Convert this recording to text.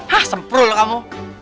hah semprul lo kamu